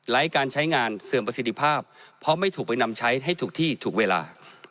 การใช้งานเสื่อมประสิทธิภาพเพราะไม่ถูกไปนำใช้ให้ถูกที่ถูกเวลา